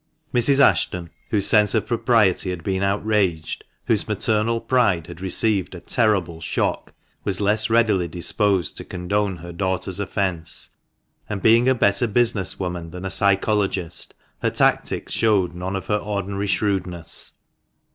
Mrs. Ashton, whose sense of propriety had been outraged, whose maternal pride had received a terrible shock, was less readily disposed to condone her daughter's offence; and, being a better business woman than a psychologist, her tactics showed none of her ordinary shrewdness.